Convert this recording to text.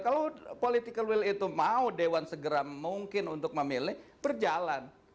kalau political will itu mau dewan segera mungkin untuk memilih berjalan